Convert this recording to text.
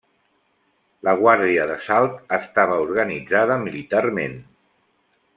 La Guàrdia d'Assalt estava organitzada militarment.